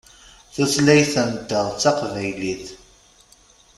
Tutlayt-nteɣ d taqbaylit.